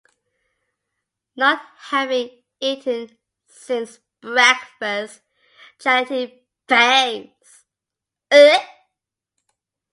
Not having eaten since breakfast, Charity faints.